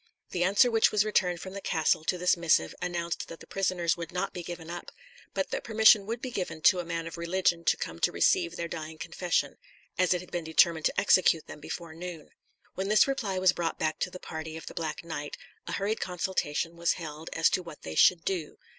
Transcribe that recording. The answer which was returned from the castle to this missive announced that the prisoners would not be given up; but that permission would be given to a man of religion to come to receive their dying confession, as it had been determined to execute them before noon. When this reply was brought back to the party of the Black Knight, a hurried consultation was held as to what they should do.